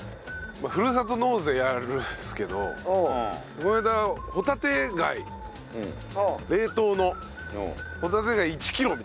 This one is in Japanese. ふるさと納税やるんですけどこの間ホタテ貝冷凍のホタテ貝１キロみたいなのを頼んで。